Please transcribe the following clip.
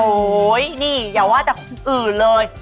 โอ้ยนี่เผื่อว่าจะอื่นเลย